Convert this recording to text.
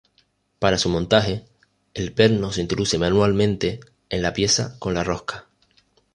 Para su montaje, el perno se introduce manualmente en la pieza con la rosca.